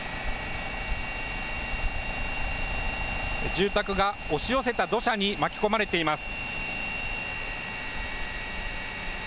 住宅が押し寄せた土砂に巻き込まれています。